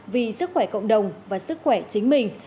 vì sức khỏe cộng đồng và sức khỏe chính mình